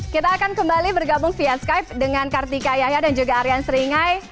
kita akan kembali bergabung via skype dengan kartika yahya dan juga aryan seringai